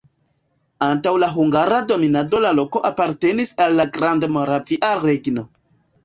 Antaŭ la hungara dominado la loko apartenis al la Grandmoravia Regno.